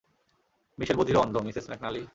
মিশেল বধির ও অন্ধ, মিসেস ম্যাকনালি!